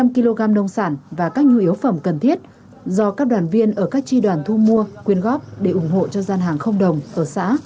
một mươi kg nông sản và các nhu yếu phẩm cần thiết do các đoàn viên ở các tri đoàn thu mua quyên góp để ủng hộ cho gian hàng không đồng ở xã